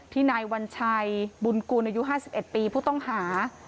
นายวัญชัยบุญกูลอายุ๕๑ปีผู้ต้องหา